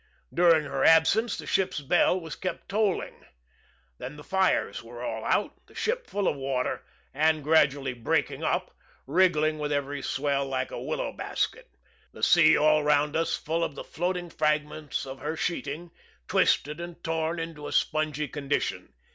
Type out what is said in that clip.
During her absence the ship's bell was kept tolling. Then the fires were all out, the ship full of water, and gradually breaking up, wriggling with every swell like a willow basket the sea all round us full of the floating fragments of her sheeting, twisted and torn into a spongy condition.